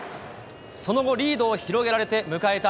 その後、リードを広げられて迎えた